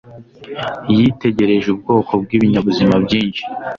Yitegereje ubwoko bwibinyabuzima byinshi.